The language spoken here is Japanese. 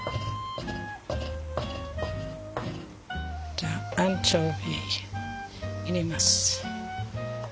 じゃアンチョビ入れます。